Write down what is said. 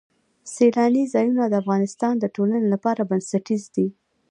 سیلاني ځایونه د افغانستان د ټولنې لپاره بنسټیز دي.